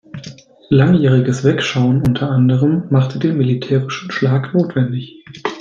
Langjähriges Wegschauen unter anderem machte den militärischen Schlag notwendig.